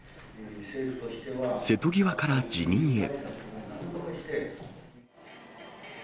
瀬戸際から辞任へ。